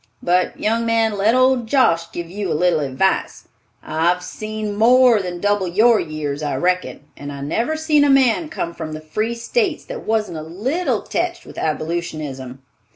But, young man, let old Josh give you a little advice. I've seen more than double your years, I reckon, and I never seen a man come from the free states that wasn't a little teched with abolitionism.